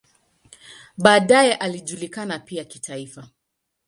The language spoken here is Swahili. Baadaye alijulikana pia kitaifa.